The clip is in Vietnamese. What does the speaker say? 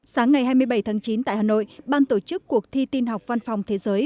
sáng ngày hai mươi bảy tháng chín tại hà nội ban tổ chức cuộc thi tin học văn phòng thế giới